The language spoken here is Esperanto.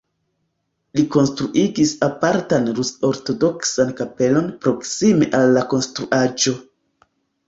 Li konstruigis apartan rus-ortodoksan kapelon proksime al la konstruaĵo.